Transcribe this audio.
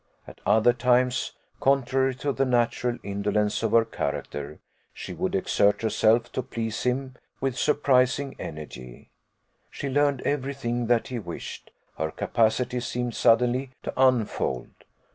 At other times, contrary to the natural indolence of her character, she would exert herself to please him with surprising energy: she learned every thing that he wished; her capacity seemed suddenly to unfold.